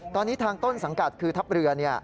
ตอนนี้ทางต้นสังกัดคือทัพเรือ